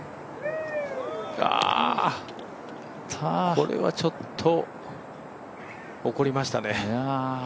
これはちょっと怒りましたね。